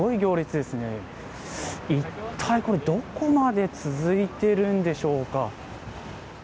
一体これ、どこまで続いてるんでしょうか。